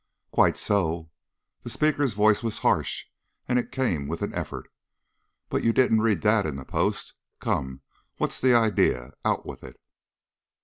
"Quite so." The speaker's voice was harsh, and it came with an effort. "But you didn't read that in the Post. Come! What's the idea? Out with it."